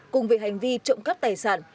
cùng về hành vi trộm cắt tài sản